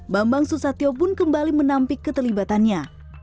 bambang susatyo pun kembali menampik keterlibatannya